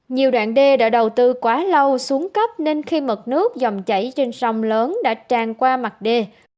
nhiều đoạn đê đã đầu tư quá lâu xuống cấp nên khi mực nước dòng chảy trên sông lớn đã tràn qua mặt đê